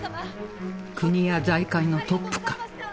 国や財界のトップか？